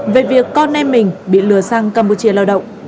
về việc con em mình bị lừa sang campuchia lao động